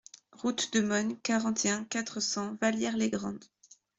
Route de Mosnes, quarante et un, quatre cents Vallières-les-Grandes